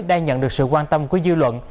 đang nhận được sự quan tâm của dư luận